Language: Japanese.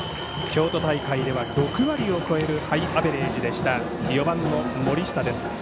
京都大会では６割を超えるハイアベレージでした４番の森下です。